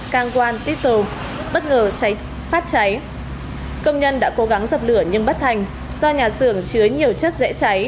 kangwan tittle bất ngờ phát cháy công nhân đã cố gắng dập lửa nhưng bất thành do nhà xưởng chứa nhiều chất dễ cháy